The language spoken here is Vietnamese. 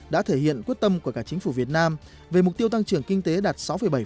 đã thể hiện quyết tâm của cả chính phủ việt nam về mục tiêu tăng trưởng kinh tế đạt sáu bảy